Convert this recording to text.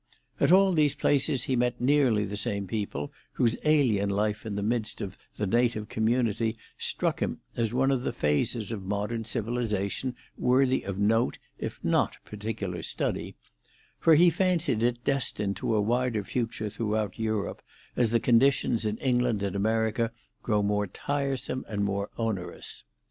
At all these places he met nearly the same people, whose alien life in the midst of the native community struck him as one of the phases of modern civilisation worthy of note, if not particular study; for he fancied it destined to a wider future throughout Europe, as the conditions in England and America grow more tiresome and more onerous.